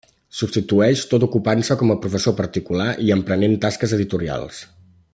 Subsisteix tot ocupant-se com a professor particular i emprenent tasques editorials.